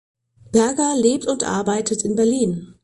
Berger lebt und arbeitet in Berlin.